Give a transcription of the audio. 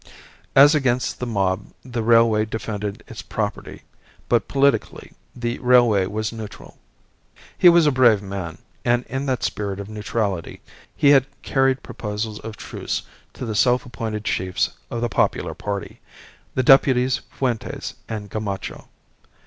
As against the mob the railway defended its property, but politically the railway was neutral. He was a brave man; and in that spirit of neutrality he had carried proposals of truce to the self appointed chiefs of the popular party, the deputies Fuentes and Gamacho.